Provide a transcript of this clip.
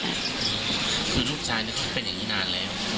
คือลูกชายเขาเป็นอย่างนี้นานแล้ว